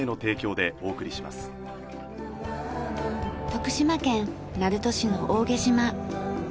徳島県鳴門市の大毛島。